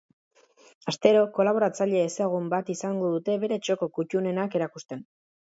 Astero, kolaboratzaile ezagun bat izango dute bere txoko kuttunenak erakusten.